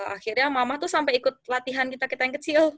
akhirnya mama tuh sampai ikut latihan kita kita yang kecil